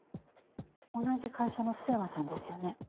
同じ会社の須山さんですよね？